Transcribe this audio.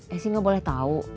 esy nggak boleh tahu